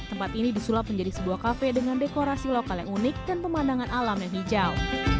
tempat ini disulap menjadi sebuah kafe dengan dekorasi lokal yang unik dan pemandangan alam yang hijau